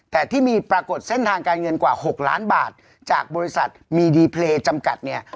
แต่ที่มีปรากฏเส้นทางการเงินกว่า๖ล้านบาทจากบริษัทมีดีเพลย์จำกัดเนี่ย